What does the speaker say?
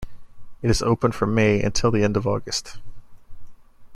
It is open from May until the end of August.